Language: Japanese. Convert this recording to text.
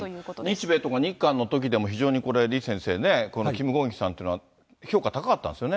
日米とか日韓のときでも、非常にこれ、李先生ね、キム・ゴンヒさんというのは評価高かったんですよね。